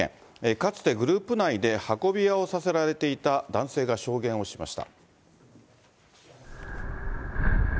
かつてグループ内で運び屋をさせられていた男性が証言をしました。